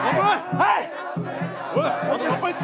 はい！